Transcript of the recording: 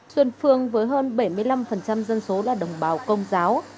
xuân phương với hơn bảy mươi năm dân số là đồng bào công giáo